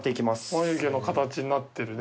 眉毛の形になってるね。